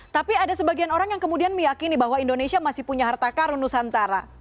tapi ada sebagian orang yang kemudian meyakini bahwa indonesia masih punya hartaka runusantara